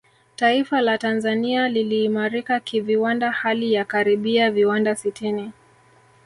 Taifa la Tanzania liliimarika kiviwanda hali ya karibia viwanda sitini